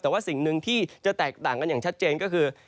แต่ว่าสิ่งหนึ่งที่จะแตกต่างกันอย่างชัดเจนก็คือ